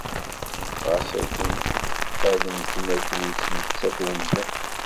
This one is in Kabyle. Ɣas akken, ad temmtem akken yettmettat umdan.